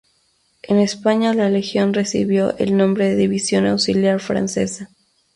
En España la Legión recibió el nombre de División Auxiliar Francesa.